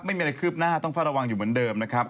ไม่มีอะไรคืบหน้าต้องเฝ้าระวังอยู่เหมือนเดิมนะครับ